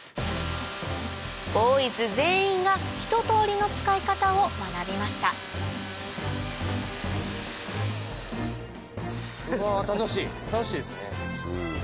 ボーイズ全員がひと通りの使い方を学びました楽しいですね。